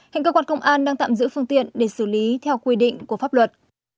hiện cơ quan công an đang tạm giữ phương tiện để xử lý theo quy định của pháp luật